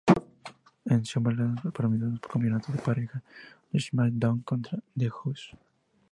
En Summerslam perdieron los Campeonatos en Pareja de Smackdown contra The Usos.